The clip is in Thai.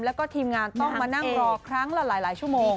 แล้วก็ทีมงานต้องมานั่งรอครั้งละหลายชั่วโมง